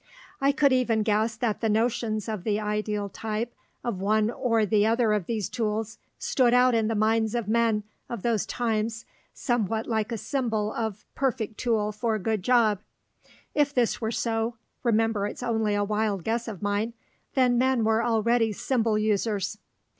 I could even guess that the notions of the ideal type of one or the other of these tools stood out in the minds of men of those times somewhat like a symbol of "perfect tool for good job." If this were so remember it's only a wild guess of mine then men were already symbol users.